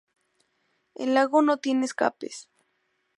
El lago no tiene escapes.